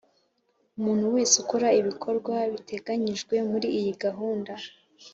Umuntu wese ukora ibikorwa biteganyijwe muri iyi gahunda